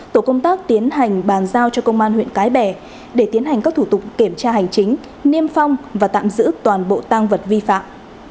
tổ công tác tiến hành bàn giao cho công an huyện cái bè để tiến hành các thủ tục kiểm tra hành chính niêm phong và tạm giữ toàn bộ tăng vật vi phạm